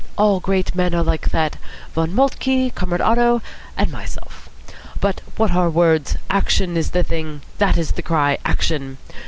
All great men are like that. Von Moltke, Comrade Otto, and myself. But what are words? Action is the thing. That is the cry. Action.